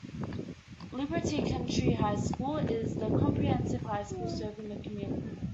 Liberty County High School is the comprehensive high school serving the community.